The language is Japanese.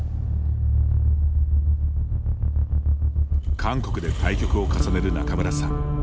韓国で対局を重ねる仲邑さん。